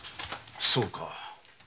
そうか。